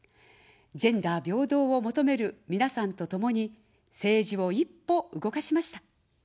ジェンダー平等を求めるみなさんとともに政治を一歩動かしました。